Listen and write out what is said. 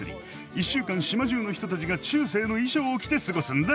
一週間島中の人たちが中世の衣装を着て過ごすんだ。